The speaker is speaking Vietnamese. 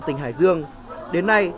tỉnh hải dương đến nay